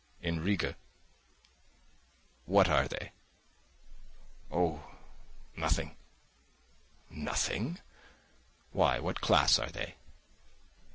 in Riga." "What are they?" "Oh, nothing." "Nothing? Why, what class are they?"